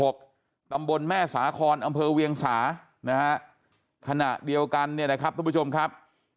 ตำบลแม่สาคอนอำเภอเวียงสานะฮะขณะเดียวกันเนี่ยนะครับทุกผู้ชมครับ